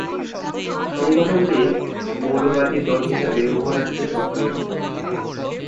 সংগঠনটি মৌলবাদী দল হিসাবে মহারাষ্ট্রে সক্রিয়।